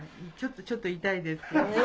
ちょっと痛いです。